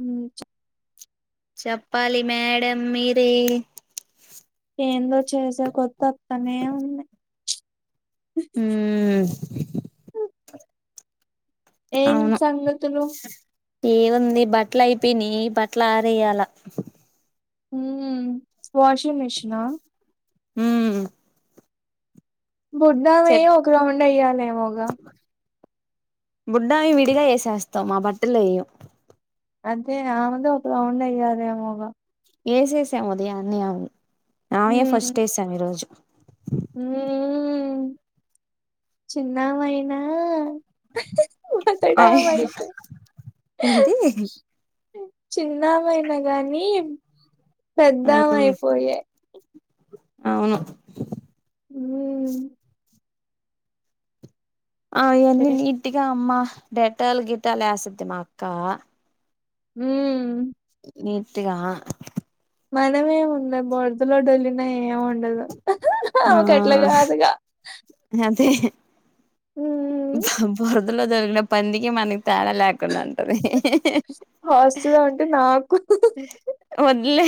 ఉం చెప్పాలి మేడం మీరే ఏందో చేసే కొది అత్తనే ఉంది మ్ ఏం అవును సంగతులు ఏముంది బట్టలు అయిపోయినాయి బట్టలు ఆరేయాల మ్ వాషింగ్ మీషినా మ్ బుడ్డామయి చెప్ ఒక రౌండ్ వేయ్యాలేమోగా బుడ్డామేయి విడిగా వేసేస్తాము మా బట్టళ్ళో వెయ్యం అదే ఆమెది ఒక రౌండ్ వేయ్యలేమోగా వేసేసాము ఉదయాన్నే ఆమేయి ఆమెయే ఫస్ట్ వేసాం ఈ రోజు మ్ చిన్నమయినా అ ఏంటి చిన్నమయినా గాని ఆ పెద్దమయిపోయే అవును మ్ అ ఏ ఇవన్నీ నీట్గా అమ్మ డెటాలు గిటాలు వేసిద్ది మా అక్క మ్ నీట్గా మనమేమున్నయ్ బూరదలో డొల్లిన ఏమి ఉండదు ఆ అమేకట్లా కాదుగా అదే మ్ బురదలో దొలిగిన పందికి మనకి తేడా లేక్ నంటది హాస్టల్లో ఉంటే నాకు వద్దులే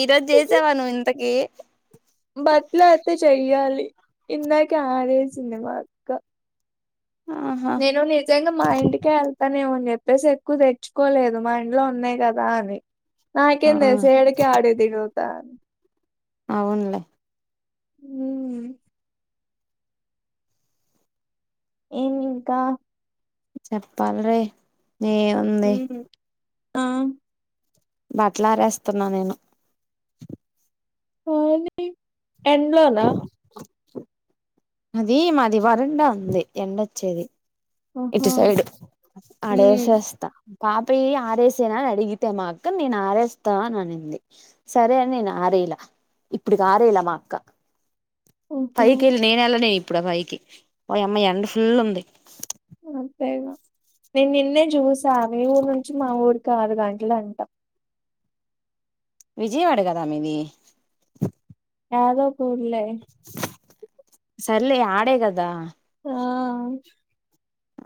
ఈరోజు చేసేవా నువ్ ఇంతకి బట్లాతే చెయ్యాలి ఇందకే ఆరేసింది మా అక్క ఆహా నేను నిజంగా మా ఇంటికేళ్తానేమో అని చెప్పేసి ఎక్కువ తెచ్చుకోలేదు మా ఇంట్లో ఉన్నాయి కద్ నాది ఆ నాకేం తెలుసు ఏడికి యాడికి తిరుగుతా అవున్లే మ్ ఏమి ఇంకా చెప్పాలిరే ఎం మ్ బట్టలరేస్తున్నా నేను ఓర్ని ఎండ్లోనా అది మాది వరండా ఉంది ఎండ వచ్చేది ఇటు ఆహా సైడ్ హ్మ్ ఆడేసేస్తా పాపయి ఆరేసేన అడిగితే మా అక్క నేను ఆరేస్తా అని అనింది సరే అని నేను ఆరేయలా ఇప్పడికి ఆరేయలే మా అక్క ఆహా పైకి వెళ్ళి నేను వెళ్ళ లేను ఇప్పుడు ఆ పైకి ఓయమ్మా ఎండ ఫుల్ ఉంది అంతే ఇగ నేను నిన్నే చూసా మీ ఊరు నుంచి మా ఊరికి ఆరు గంటలు అంటా విజయవాడ కదా మీది కాదు కూడలే సర్లే ఆడేకదా ఆ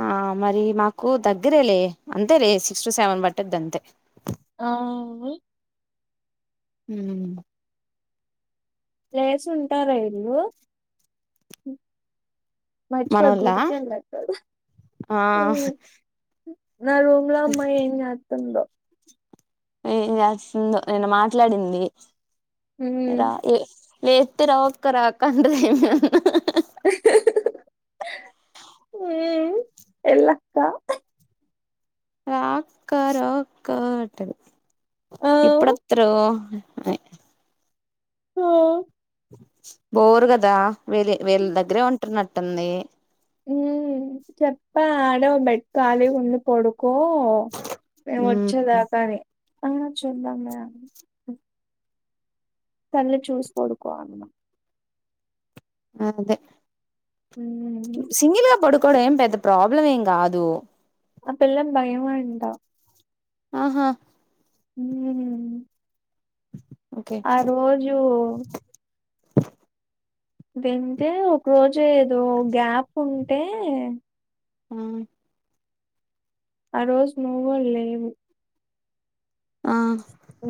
ఆ మరి మాకు దగ్గరే లే అంతే లే సిక్స్ టు సెవెన్ పట్టుద్ది అంతే ఆవును అండి ఉమ్ లేస్ ఉంటారా ఈల్ళు మర్చిపోయి మనోళ్ళ గుడికేల్ ఏట్టరు ఆ నా రూమ్ లో అమ్మా ఏం చేస్తుందో ఏం చేస్తుందో నేను మాట్లాడింది రా ఏ లేస్తదో ఒక్క రాక అంట అది ఎల్లక్క అ రా అక్క రా అక్క అంటఅది ఆ ఎప్పుడొస్తారు ఐ అ బోర్ కదా వీళ వీళ్ళ దగ్గరే ఉంటు ఉన్న అట్టు ఉంది ఉ చెప్పాల ఆడ బెడ్ కాలి ఉంది పోడు కో మేము ఉమ్ వచ్చేదాక అనీ ఆ చూద్దాంమ్ లే అని సర్లే చూస్ పోడుకో అన్నా మరి అదే ఉమ్, సింగిల్గా పడుకోవడం ఏం పెద్ద ప్రాబ్లం ఏం కాదు ఆ పిల్లకి భయమంటా ఆహా ఉమ్ ఓకే ఆ రోజు వింటే ఒక రోజు ఏదో గ్యాప్ ఉంటే ఉ ఆ రోజు నువ్వు కూడ లేవు ఆ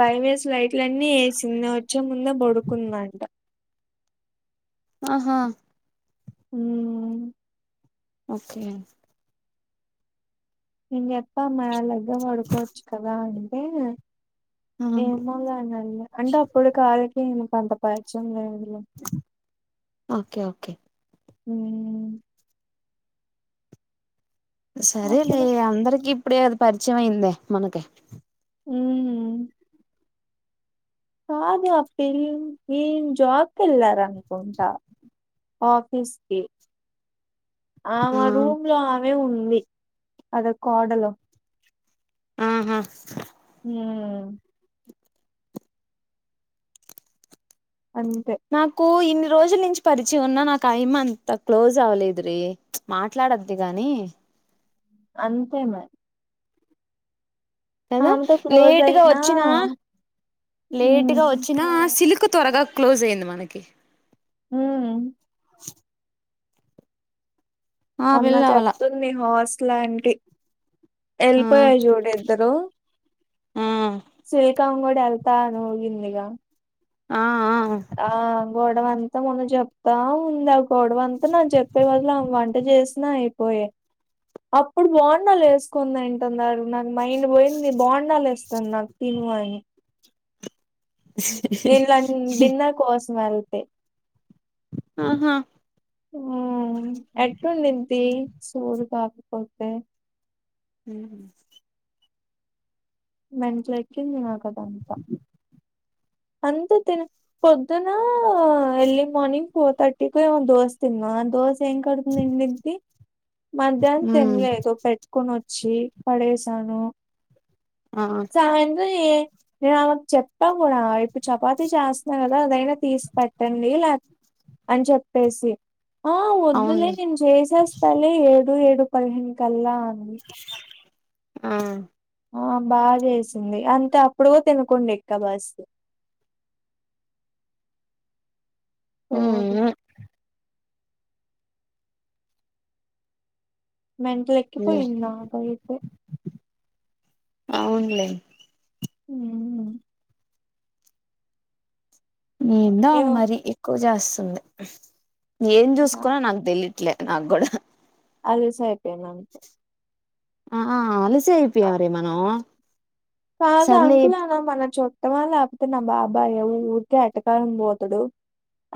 బయమేసి లైట్ల అన్నీ ఏసింది నువ్వొచ్చే ముందే పడుకుంద అంట ఆహా ఉమ్ ఓకే నేను జెప్ప మావోళ్ళదగ్గర బడుకోవచ్చు కదా అంటే ఆ ఏమో లేనఅండి అంటే అప్పుడు కాళ్ళకి అంత పరిచయం లేదులే అండి ఓకే ఓకే ఉం సరేలే అప్పుడు అందరికి ఇప్పుడే కద పరిచయం అయిందే మనకి ఉమ్ కాదు అఖిల్ నేన్ జాబ్కి ఎల్లారనుకుంట ఆఫీస్ కి ఆ మరు లో అవే ఉంది అదొ కోడలో ఆహా ఉమ్ అంతే నాకు ఇన్ని రోజుల నించి పరిచయము ఉన్న నాకు అయిమ అంత క్లోజ్ అవలేదు లే మాట్లాడ అద్దు గాని అంతే మరి కదా ఆమెతో క్లోజ్ లేటుగా అయినా వొచ్చినా లేటుగా ఉమ్, వొచ్చినా సిలుకు త్వరగా క్లోజయింది మనకి ఉమ్ ఆ మొన్న పిల్ల అవల చెప్తుంది హాస్ట్ల్ లాంటి ఆ ఎళ్ళిపోయారు చూడు ఇద్దరు ఆ సిల్కమ్మ గూడా ఎల్తానూ అనిందిగా ఆ ఆ ఉ ఆ గోడవంతా మొన్న చెప్తా ఉందా అ గొడవ అంతా నాక్ జెప్పే బదులు వంట చేసినా అయిపోయే అప్పుడు బోన్డాలేసుకుని తిన్టన్ది నాకు మైండ్ పోయింది బొండాలేస్ నాక్ పిలువయని నేనిల్ డిన్నర్ కోసం ఎళ్తే ఊహు ఉ ఎట్ ఉన్నిడుద్ది సోది కాకపోతే ఉ మెంట్లెక్కింది నాక్ అదంతా అంతా తిన్ పొద్దునా ఎర్లీ మార్నింగ్ ఫోర్ థర్టీకేమో దోస్ తిన్నా దోస ఏం కడుపు నిండిద్ది మధ్యాహ్నం ఉమ్ తినలేదు పె క్కొనివోచ్చి పడేసాను ఆ సాయంత్రం ఎ నేను ఆమెకు చెప్పా గూడా మీ చపాతి చేస్తున్నా గదా అదైనా తీసి పెట్టండి లేక్ అని చెప్పేసి ఆ వద్దులే అవునులే నేను చేసేస్తాలే ఏడు ఏడు పదహేను కల్లా అ ఆ ఆ బాగా ఎసింది అంతే అప్పుడు తినకుండా ఎక్కా బస్ సోది ఉమ్ మెంటల ఉమ్ ఎక్కిపోయింది నాకైయితే అవునులే ఉ ఎందో ఆమె ఏమో మరీ ఎక్కువ చేస్తుంది ఏం నా- చూసుకోనో నాకు తెలిదు ఇట్లే నాక్ గూడా అలుసయిపోయింది అంతే ఆ ఆ ఆ, అలుసయిపోయమ్ర మనం కాదు సర్లే అంకుల్ అనే మన చుట్టమా లేకపోతే నా బాబాయ్య ఊరికే ఎటకారం పోతడు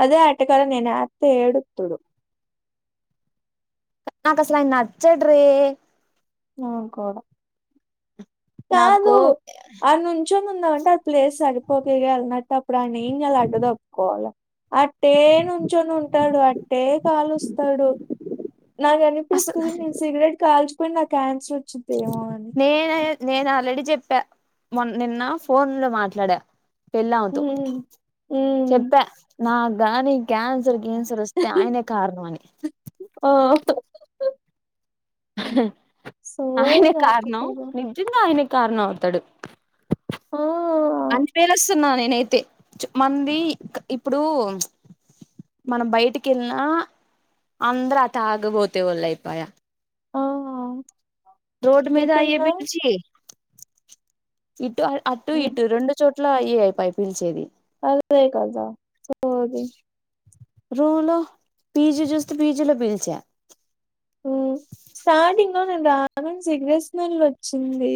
అదే ఎటకారం నేను ఎతే ఏడుస్తడు నాక్ అసలు ఆయన నచ్చడ్రే నాక్ కూడా కాదు నాకు అ ను కుంచొని ఉందా అంటే ఆ ప్లేస్ సరిపోక ఇగా అలాంటప్పుడు వాన్ని ఎం చేయాలి అడ్డు దప్పుకోవాల అట్టే నుంచొని ఉంటాడు అట్టే కాలుస్తాడు నాకు అసలు అనిపిస్తుంది నేను సిగరెట్ కాల్చుకపోయిన నాకు క్యాన్సర్ వచ్చిద్దేమో అని నేన నేను ఆల్రెడీ చెప్పా మొ నిన్న ఫోన్ లో మాట్లాడా వెళ్ళి ఆమె తో హ్మ్ హ్మ్ చెప్పా నాక్ గాని క్యాన్సర్ గిన్సర్ వస్తే ఆయనే కారణంమని ఆ హ హ సోది ఆయనే కారణం కాకపోతే ని నిజంగా ఆయన కారణం అవుతాడు ఆ! అని పేరు వస్తున్నా నేనైతే మంది ఇప్పుడు మనం బయటికి ఎల్న అందరు అ తాగబోతే వాళ్ళు అయిపోయా ఆ! రోడ్ మీద అయ్యే ఎటున్నా పిలిచి ఇటు అటు ఇటు రెండు చోట్ల అయే అయిపాయే ఫీల్చేది అదే కదా సోది రూమ్ లో పిజి చూస్తే పిజి లో పిలిచా స్టార్టింగ్ లో నేను రానని సిగరెట్ స్మెల్ వచ్చింది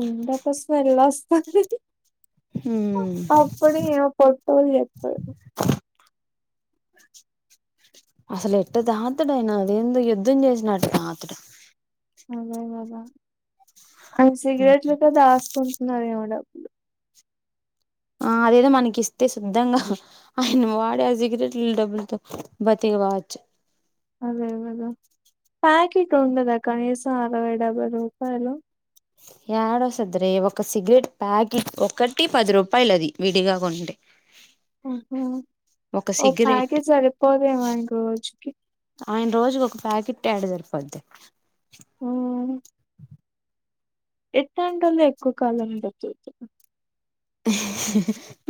ఉండకా స్మెల్ వస్తాది అప్పుడు ఇగ పొట్టోల్ చెత్తది అసలు ఎట్ట తాగుతడైనా అదేందొ యుద్ధం చేసినట్టు తాతడు అదే గద ఆయన సిగరెట్ల కే దాసుకుంటున్నారేమో డబ్బులు ఆ అదేదో మనకి ఇస్తే శుద్ధంగా ఆయన వాడే ఆ సిగరెట్ డబ్బులతో బతిక బవచ్చు అదే కద ప్యాకెట్ ఉండదా కనీసం అరవై డెబ్బై రూపాయలు ఏడో సదర ఒక సిగరెట్ ప్యాకెట్ ఒకటి పది రూపాయల అది విడిగా కొంటే ఆహ ఒక ఓ సిగరెట్ ప్యాకేజ్ సరిపోదేమో ఆయనకు రోజుకి ఆయన రోజుకి ఒక ప్యాకెట్ యెడ జరిపోద్ది హ అవును ఏట్టం టోల్లే ఎక్కువ కాలం బతుకుత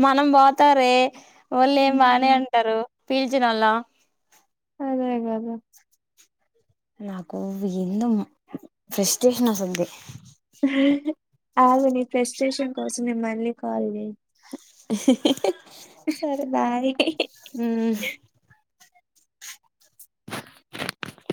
మనం పోతారే వాళ్ళుం బనే ఉమ్ అంటారు పీల్చినొల్లం అదే కద నాకు ఎందొ మా ఫ్రెస్టేషన్ అసలుది అగు నీ ప్రెస్టేషన్ కోసమే మళ్ళీ కాల్ చేయి [unintelligible] బయికి ఉ [inaudible]